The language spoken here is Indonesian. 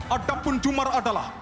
adapun jumar adalah